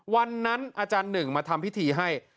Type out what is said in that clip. อาจารย์หนึ่งมาทำพิธีให้